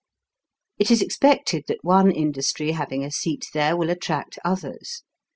It is expected that one industry having a seat there will attract others.